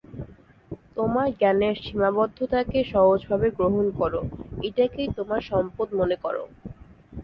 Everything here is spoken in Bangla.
তোমার জ্ঞানের সীমাবদ্ধতাকে সহজভাবে গ্রহণ করো, এটাকেই তোমার সম্পদ মনে করো।